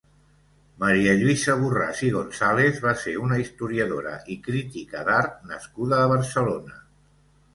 Maria Lluïsa Borràs i González va ser una historiadora i crítica d'art nascuda a Barcelona.